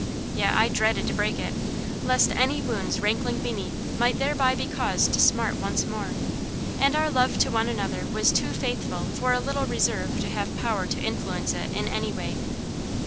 Yet I dreaded to break it, lest any wounds rankling beneath might thereby be caused to smart once more. And our love to one another was too faithful for a little reserve to have power to influence it in any way.